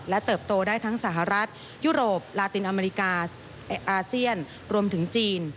เติบโตได้ทั้งสหรัฐยุโรปลาตินอเมริกาอาเซียนรวมถึงจีน